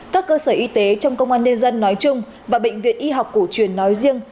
các cơ sở y tế trong công an nhân dân nói chung và bệnh viện y học cổ truyền nói riêng